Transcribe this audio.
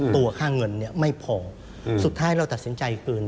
ตัวค่าเงินไม่พอสุดท้ายเราตัดสินใจคืน